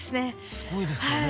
すごいですよね。